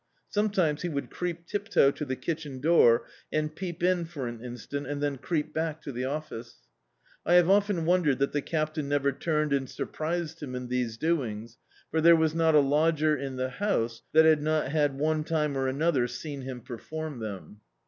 Some times he would creep tiptoe to the kitchen door and peep in for an instant, and then creep back to the office. I have often wondered that the Captain never turned and surprised him in these doings, for there was not a lodger in the house that had not oac time or another seen him perform them.